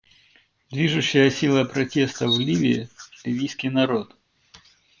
Движущая сила протестов в Ливии — ливийский народ.